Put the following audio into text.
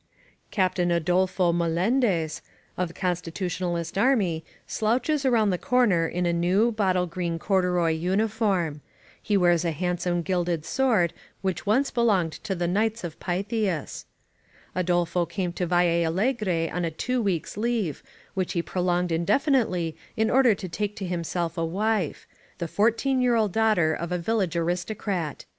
Captain Adolfo Melendez, of the Constitutionalist army, slouches around the corner in a new, bottle green corduroy uniform. He wears a handsome gilded 298 INSURGENT MEXICO sworid which once belongeid to the Knights of Pythias. Adolfo came to Valle Allegre on a two weeks' leave, which he prolonged indefinitely in order to take to himself a wife — ^the fourteen year old daughter of a vil lage aristocrat.